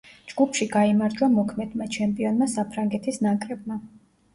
ჯგუფში გაიმარჯვა მოქმედმა ჩემპიონმა საფრანგეთის ნაკრებმა.